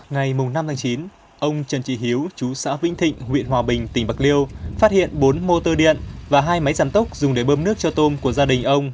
ngày năm tháng chín ông trần trị hiếu chú xã vĩnh thịnh huyện hòa bình tỉnh bạc điêu phát hiện bốn mô tơ điện và hai máy giảm tốc dùng để bơm nước cho tôm của gia đình ông